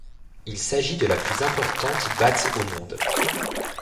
Il s'agit de la plus importante batte au monde.